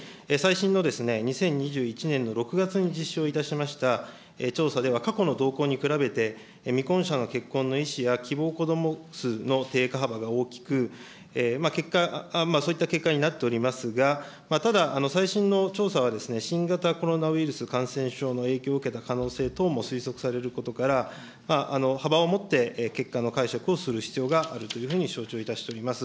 確かに最新の２０２１年の６月に実施をいたしました調査では過去の動向に比べて未婚者の結婚の意思や希望子ども数の低下幅が大きく、結果、そういった結果になっておりますが、ただ、最新の調査は新型コロナウイルス感染症の影響を受けた可能性等も推測されることから、幅を持って結果の解釈をする必要があるというふうに承知をいたしております。